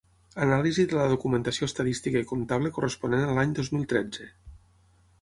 Anàlisi de la documentació estadística i comptable corresponent a l'any dos mil tretze.